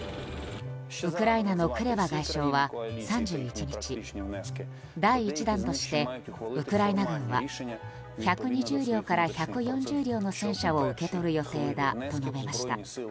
ウクライナのクレバ外相は３１日第１弾として、ウクライナ軍は１２０両から１４０両の戦車を受け取る予定だと述べました。